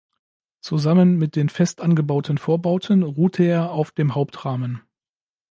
Zusammen mit den fest angebauten Vorbauten ruhte er auf dem Hauptrahmen.